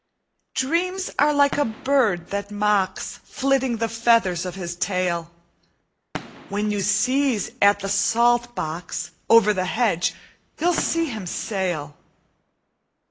Dreams are like a bird that mocks, Flirting the feathers of his tail. When you sieze at the salt box, Over the hedge you'll see him sail.